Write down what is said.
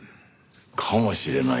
かもしれないね。